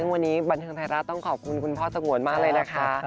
ซึ่งวันนี้บันเทิงไทยรัฐต้องขอบคุณคุณพ่อสงวนมากเลยนะคะ